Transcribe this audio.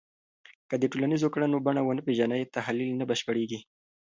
که د ټولنیزو کړنو بڼه ونه پېژنې، تحلیل نه بشپړېږي